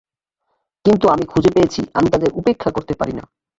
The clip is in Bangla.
কিন্তু আমি খুঁজে পেয়েছি আমি তাদের উপেক্ষা করতে পারি না।